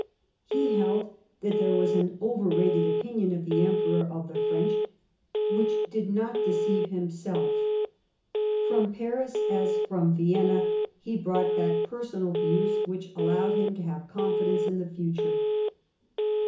He held that there was an overrated opinion of the Emperor of the French which did not deceive himself. From Paris, as from Vienna, he brought back 42 Years of Preparation personal views which allowed him to have confidence in the future.